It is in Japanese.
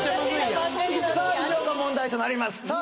さあ以上が問題となりますさあ